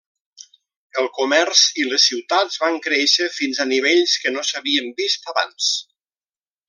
El comerç i les ciutats van créixer fins a nivells que no s'havien vist abans.